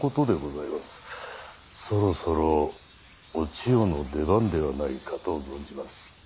そろそろお千代の出番ではないかと存じます。